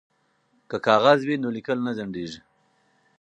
که کاغذ وي نو لیکل نه ځنډیږي.